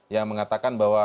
yang mengatakan bahwa